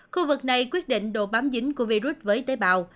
khu vực này quyết định độ bám dính của virus với tế bào